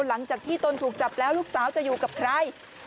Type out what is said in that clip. หลังจากที่ตนถูกจับแล้วลูกสาวจะอยู่กับใคร